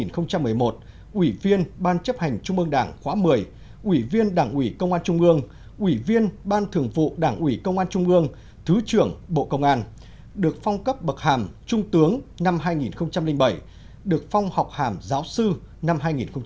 năm hai nghìn một mươi một ủy viên ban chấp hành trung ương đảng khóa một mươi ủy viên đảng ủy công an trung ương ủy viên ban thường vụ đảng ủy công an trung ương thứ trưởng bộ công an được phong cấp bậc hàm trung tướng năm hai nghìn bảy được phong học hàm giáo sư năm hai nghìn một mươi